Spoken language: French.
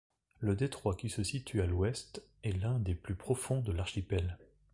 Le détroit qui se situe à l’ouest est l’un des plus profonds de l’archipel.